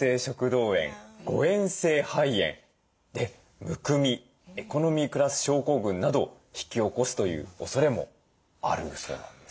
えん性肺炎むくみエコノミークラス症候群などを引き起こすというおそれもあるそうなんですね。